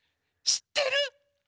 しってる？